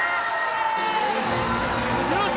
よし！